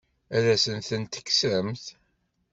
Ad asen-tent-tekksemt?